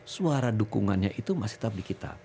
suara dukungannya itu masih tetap di kita